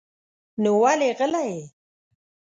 نو ولې غلی يې؟